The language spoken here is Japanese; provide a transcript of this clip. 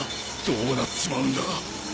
どうなっちまうんだ。